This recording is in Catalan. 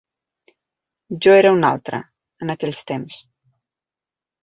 Jo era un altre, en aquells temps.